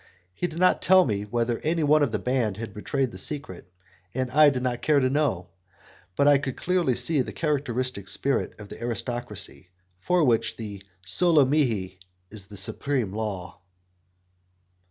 He did not tell me whether any one of the band had betrayed the secret, and I did not care to know; but I could clearly see the characteristic spirit of the aristocracy, for which the 'solo mihi' is the supreme law.